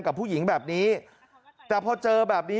กับผู้หญิงแบบนี้แต่พอเจอแบบนี้